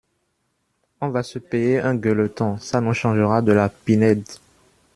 On va se payer un gueuleton, ça nous changera de la Pinède.